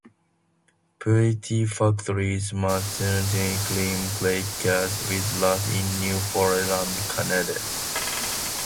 Purity Factories manufactures cream crackers with lard in Newfoundland, Canada.